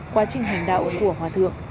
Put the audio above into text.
quá trình hành đạo của hòa thượng